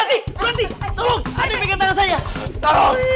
eh berhenti berhenti tolong berhenti pegang tangan saya tolong